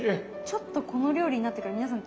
ちょっとこの料理になってから皆さん